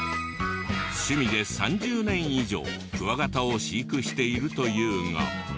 趣味で３０年以上クワガタを飼育しているというが。